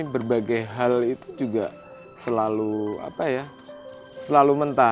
berbagai hal itu juga selalu apa ya selalu mentah